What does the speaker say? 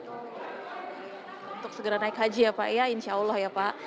untuk segera naik haji ya pak ya insya allah ya pak